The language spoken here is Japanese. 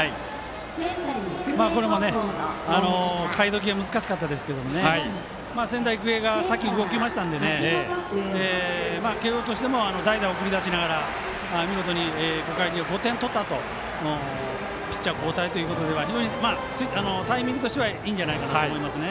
これも代え時は難しかったですけど仙台育英が先に動きましたので慶応としても代打を送り出しながら見事に５回に５点取ったあとピッチャー交代というのは非常にタイミングとしてはいいんじゃないかなと思いますね。